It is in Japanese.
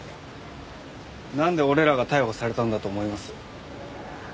なんで俺らが逮捕されたんだと思います？